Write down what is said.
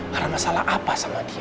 karena masalah apa sama dia